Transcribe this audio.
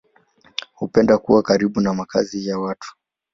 Hupenda kuwa karibu na makazi ya watu.